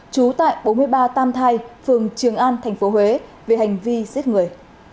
trú tại bốn mươi ba tam thai phường trường an tp huế về hành vi giết người